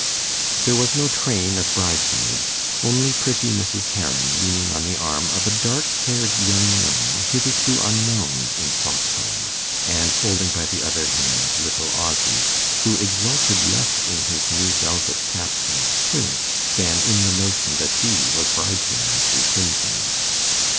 There was no train of bridesmaids; only pretty Mrs. Heron leaning on the arm of a dark haired young man hitherto unknown in Foxholm, and holding by the other hand little Ozzy, who exulted less in his new velvet cap and tunic, than in the notion that he was bridesman to Tin Tin.